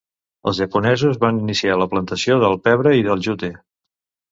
Els japonesos van iniciar la plantació del pebre i del jute.